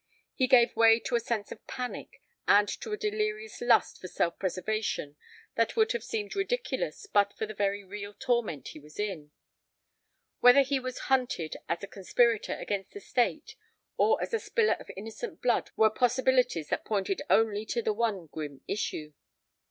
He gave way to a sense of panic and to a delirious lust for self preservation that would have seemed ridiculous but for the very real torment he was in. Whether he was hunted as a conspirator against the state or as a spiller of innocent blood were possibilities that pointed only to the one grim issue.